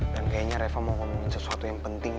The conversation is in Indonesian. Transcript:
dan kayaknya reva mau ngomongin sesuatu yang penting